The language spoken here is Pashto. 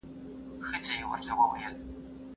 ښوونه د خلکو ترمنځ د تفاهم او زغم فضا پیاوړې کوي.